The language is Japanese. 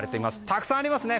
たくさんありますね。